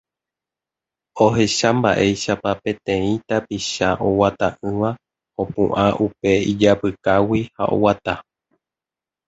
ohecha mba'éichapa peteĩ tapicha oguata'ỹva opu'ã upe ijapykágui ha oguata.